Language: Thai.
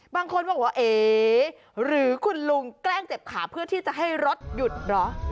บางคนบอกว่าเอ๊หรือคุณลุงแกล้งเจ็บขาเพื่อที่จะให้รถหยุดเหรอ